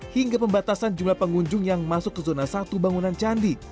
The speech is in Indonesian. hingga pembatasan jumlah pengunjung yang masuk ke zona satu bangunan candi